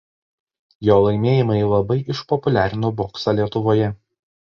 Jo laimėjimai labai išpopuliarino boksą Lietuvoje.